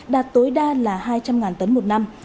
đạt tối đa là hai trăm linh tấn một năm